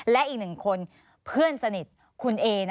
และอีกหนึ่งคนเพื่อนสนิทคุณเอ